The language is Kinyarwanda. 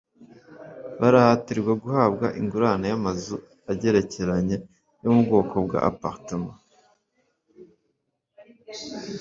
barahatirwa guhabwa ingurane y‘amazu agerekeranye yo mu bwoko bwa « appartements »